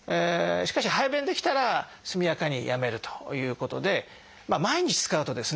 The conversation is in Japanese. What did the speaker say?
しかし排便できたら速やかにやめるということで毎日使うとですね